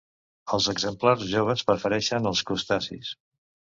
Els exemplars joves prefereixen els crustacis.